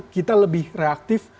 kita lebih reaktif